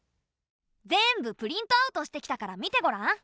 全部プリントアウトしてきたから見てごらん。